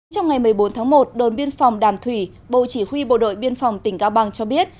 trong ngày một mươi bốn tháng một đồn biên phòng đàm thủy bộ chỉ huy bộ đội biên phòng tỉnh cao bằng cho biết